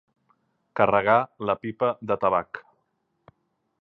Carregar la pipa de tabac.